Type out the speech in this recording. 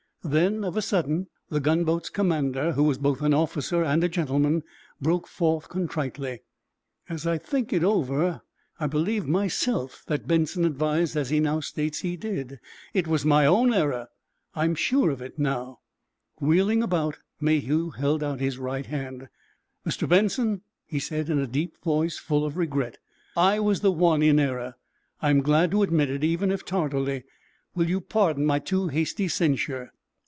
Then, of a sudden, the gunboat's commander, who was both an officer and a gentleman, broke forth, contritely: "As I think it over, I believe, myself, that Benson advised as he now states he did. It was my own error—I am sure of it now." Wheeling about, Mayhew held out his right hand. "Mr. Benson," he said, in a deep voice full of regret, "I was the one in error. I am glad to admit it, even if tardily. Will you pardon my too hasty censure?"